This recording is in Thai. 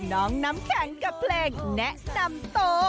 น้องน้ำแข็งกับเพลงแนะนำโต